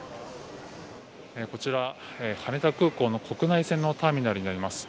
こちら羽田空港の国内線のターミナルであります。